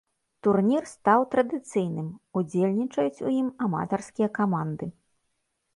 Турнір стаў традыцыйным, удзельнічаюць у ім аматарскія каманды.